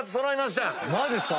マジっすか？